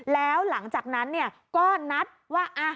แล้วหลังจากนั้นก็นัดว่า